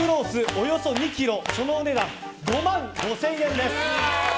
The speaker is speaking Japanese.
およそ２ｋｇそのお値段５万５０００円です。